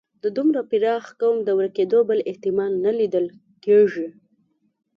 د دومره پراخ قوم د ورکېدلو بل احتمال نه لیدل کېږي.